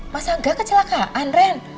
mas angga kecelakaan ren